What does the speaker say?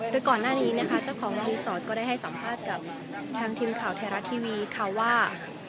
โดยก่อนหน้านี้นะคะเจ้าของรีสอร์ทก็ได้ให้สัมภาษณ์กับทางทีมข่าวไทยรัฐทีวีค่ะว่า